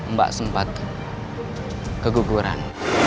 mbak sempat keguguran